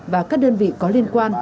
và các đơn vị có liên quan